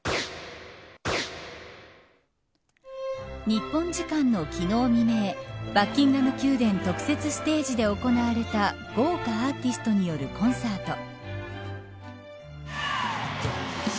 日本時間の昨日未明バッキンガム宮殿特設ステージで行われた豪華アーティストによるコンサート。